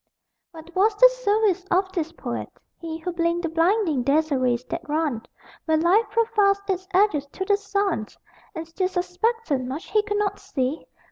What was the service of this poet? He Who blinked the blinding dazzle rays that run Where life profiles its edges to the sun, And still suspected much he could not see.